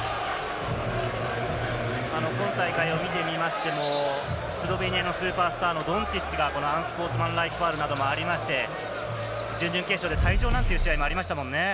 今大会を見てみましても、スロベニアのスーパースターのドンチッチがアンスポーツマンライクファウルなどもありまして、準々決勝で退場なんて試合もありましたもんね。